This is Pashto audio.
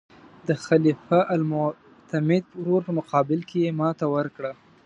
د خلیفه المعتمد ورور په مقابل کې یې ماته وکړه.